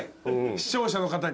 視聴者の方に。